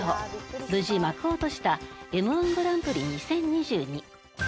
無事幕を閉じたＭ−１グランプリ２０２２。